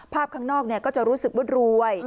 ภาพข้างนอกเนี่ยก็จะรู้สึกวุฒิรวย